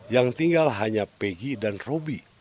yang tinggal hanya peggy dan roby